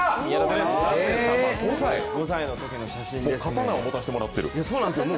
５歳のときの写真ですね。